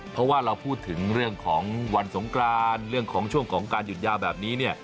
เพราะว่าเราพูดถึงเรื่องของวันสงกรานเรื่องของช่วงของการหยุดยาวแบบนี้เนี่ย